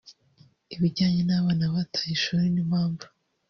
ibijyanye n’abana bataye ishuri n’impamvu